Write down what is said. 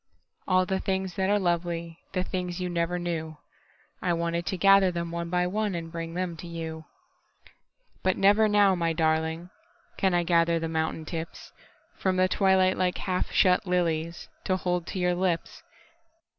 All the things that are lovely—The things you never knew—I wanted to gather them one by oneAnd bring them to you. But never now, my darlingCan I gather the mountain tipsFrom the twilight like half shut liliesTo hold to your lips.